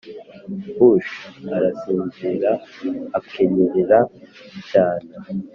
hush! arasinzira, akanyerera cyane,